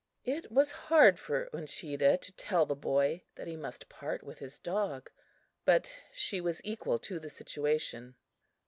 It was hard for Uncheedah to tell the boy that he must part with his dog, but she was equal to the situation.